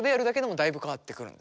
だいぶ変わってきます。